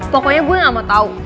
pokoknya gue gak mau tahu